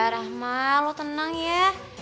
rahma lo tenang ya